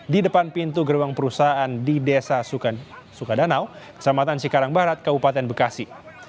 di depan pintu gerbang perusahaan di desa sukadanau kecamatan cikarang barat kabupaten bekasi